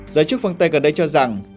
giới chức phương tây gần đây cho rằng